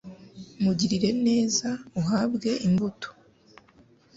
mugirire neza uhabwa imbuto